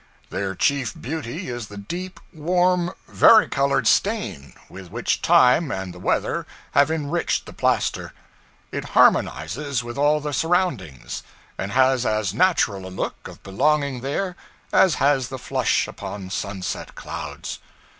Their chief beauty is the deep, warm, varicolored stain with which time and the weather have enriched the plaster. It harmonizes with all the surroundings, and has as natural a look of belonging there as has the flush upon sunset clouds.